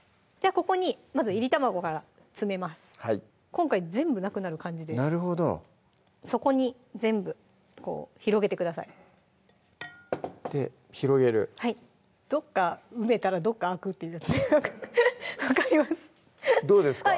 今回全部なくなる感じで底に全部こう広げてくださいで広げるはいどっか埋めたらどっか空くっていうやつで分かりますどうですか？